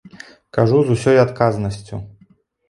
Кажу з усёй адказнасцю!